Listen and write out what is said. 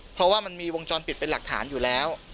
เพราะว่ามันมีวงจรปิดเป็นหลักฐานอยู่แล้ว